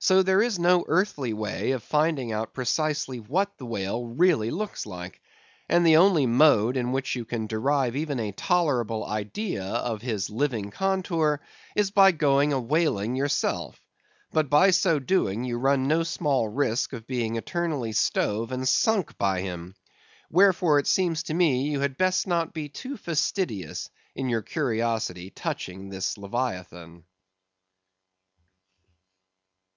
So there is no earthly way of finding out precisely what the whale really looks like. And the only mode in which you can derive even a tolerable idea of his living contour, is by going a whaling yourself; but by so doing, you run no small risk of being eternally stove and sunk by him. Wherefore, it seems to me you had best not be too fastidious in your curiosity touching this Leviathan.